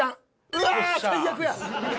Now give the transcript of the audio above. うわっ最悪や。